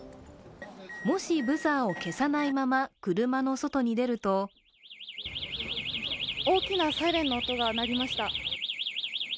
もし、ブザーを消さないまま車の外に出ると大きなサイレンの音が鳴りました。